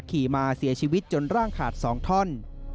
ขี่มาเสียชีวิตจนร่างขาด๒ท่อน